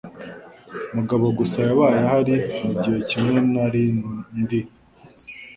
Mugabo gusa yabaye ahari mugihe kimwe nari ndi.